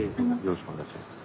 よろしくお願いします。